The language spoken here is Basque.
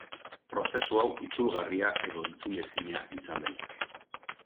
Prozesu hau itzulgarria edo itzulezina izan daiteke.